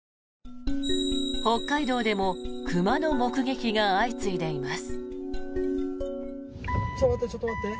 北海道でも熊の目撃が相次いでいます。